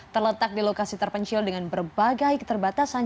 terletak di lokasi terpencil dengan berbagai keterbatasan